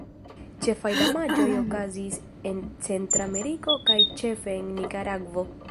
Ĉefaj damaĝoj okazis en Centrameriko kaj ĉefe en Nikaragvo.